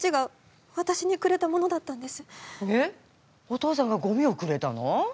お父さんがゴミをくれたの？